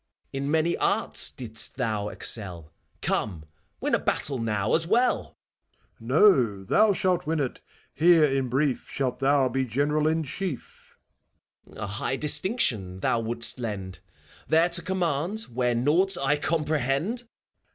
In many arts didst thou excell : Come, win a battle now, as well ! MEPHISTOPHELES. No, thou shalt win it ! Here, in brief, Shalt thou be G«neral in Chief. FAUST. A high distinction thou wouldst lend, — There to conmiand, where naught I comprehend